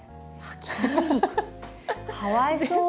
かわいそう。